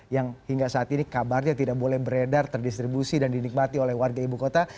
yang hingga saat ini kabarnya tidak boleh beredar terdistribusi dan dinikmati oleh warga ibu kota